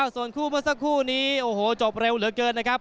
ส่วนคู่เมื่อสักครู่นี้โอ้โหจบเร็วเหลือเกินนะครับ